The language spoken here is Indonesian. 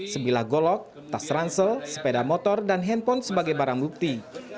sebilah golok tas ransel sepeda motor dan handphone sebagai barang bukti